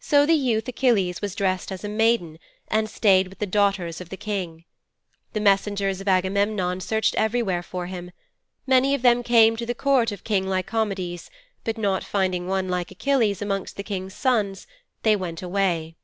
'So the youth Achilles was dressed as a maiden and stayed with the daughters of the King. The messengers of Agamemnon searched everywhere for him. Many of them came to the court of King Lycomedes, but not finding one like Achilles amongst the King's sons they went away.